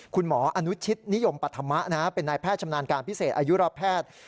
คุณหมออนุชิตนิยมปัธมะเป็นนายแพทย์ชำนาญการพิเศษอายุรแพทย์